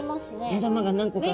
目玉が何個か。